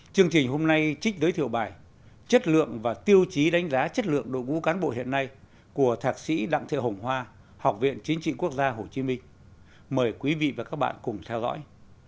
chương trình hôm nay trích giới thiệu bài chất lượng và tiêu chí đánh giá chất lượng đội ngũ cán bộ hiện nay của thạc sĩ đặng thị hồng hoa học viện chính trị quốc gia hồ chí minh mời quý vị và các bạn cùng theo dõi